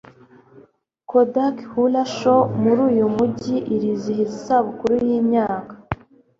Kodak Hula Show muri uyu mujyi irizihiza isabukuru yimyaka